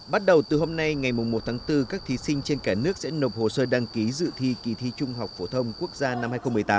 bắt đầu từ hôm nay ngày một tháng bốn các thí sinh trên cả nước sẽ nộp hồ sơ đăng ký dự thi kỳ thi trung học phổ thông quốc gia năm hai nghìn một mươi tám